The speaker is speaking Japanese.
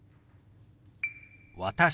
「私」。